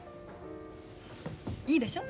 いいでしょ？